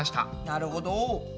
なるほど。